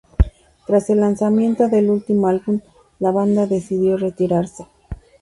Tras el lanzamiento del último álbum la banda decidió retirarse.